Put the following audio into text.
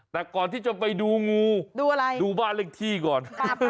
แต่ก่อนที่จะไปดูงูดูอะไรดูบ้านเลขที่ก่อน